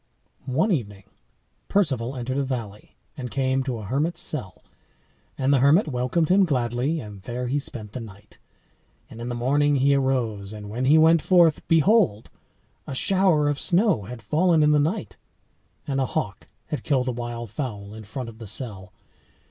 One evening Perceval entered a valley, and came to a hermit's cell; and the hermit welcomed him gladly, and there he spent the night. And in the morning he arose, and when he went forth, behold! a shower of snow had fallen in the night, and a hawk had killed a wild fowl in front of the cell.